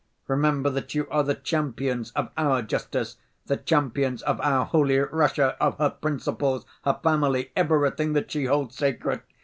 Remember that you are the champions of our justice, the champions of our holy Russia, of her principles, her family, everything that she holds sacred!